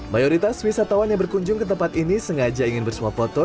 mayoritas wisatawan yang berkunjung ke tempat ini sengaja ingin bersuap foto